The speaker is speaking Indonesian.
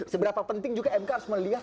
seberapa penting juga mk harus melihat